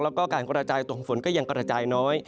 แล้วก็การกระจายตัวของฝนก็ยังกระจายน้อย